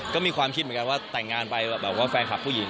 ก็มีความคิดเหมือนกันว่าแต่งงานไปแบบว่าแฟนคลับผู้หญิง